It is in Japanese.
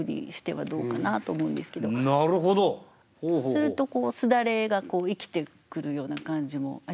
すると簾が生きてくるような感じもありますし。